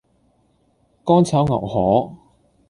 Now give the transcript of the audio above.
干炒牛河